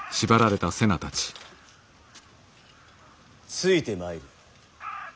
ついてまいれ。